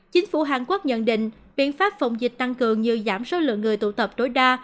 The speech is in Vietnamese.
chính phủ hàn quốc nhận định biện pháp phòng dịch tăng cường như giảm số lượng người tụ tập tối đa